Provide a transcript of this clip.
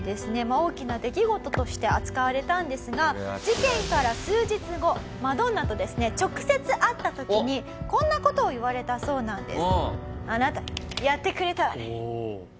大きな出来事として扱われたんですが事件から数日後マドンナとですね直接会った時にこんな事を言われたそうなんです。